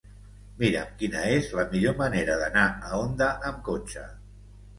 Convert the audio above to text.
Mira'm quina és la millor manera d'anar a Onda amb cotxe.